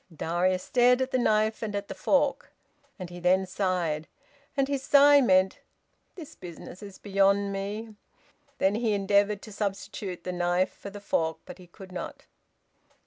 Darius stared at the knife and at the fork, and he then sighed, and his sigh meant, "This business is beyond me!" Then he endeavoured to substitute the knife for the fork, but he could not.